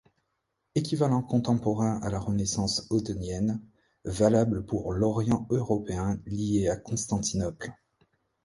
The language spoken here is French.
Équivalent contemporain à la renaissance ottonienne, valable pour l'Orient européen lié à Constantinople.